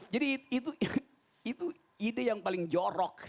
jadi itu ide yang paling jorok